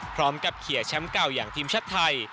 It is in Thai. พร้อมกับเคลียร์แชมป์เก่าอย่างทีมชาติไทย